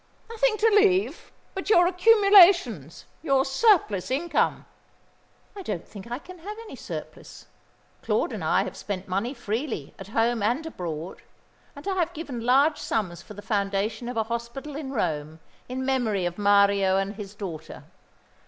"Nothing to leave! But your accumulations? Your surplus income?" "I don't think I can have any surplus. Claude and I have spent money freely, at home and abroad; and I have given large sums for the foundation of a hospital in Rome, in memory of Mario and his daughter.